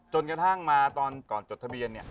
จนกระทั่งมาก่อนก่อนต้องจดทะเบียน